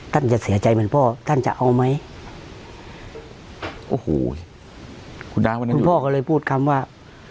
ท่านจะเสียใจเหมือนพ่อท่านจะเอาไหมโอ้โหคุณดังวันนั้นคุณพ่อก็เลยพูดคำว่า